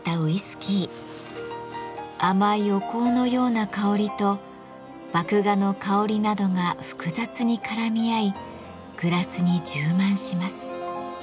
甘いお香のような香りと麦芽の香りなどが複雑に絡み合いグラスに充満します。